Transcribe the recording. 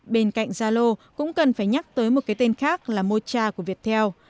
bên cạnh zalo cũng cần phải nhắc tới một cái tên khác là mocha của viettel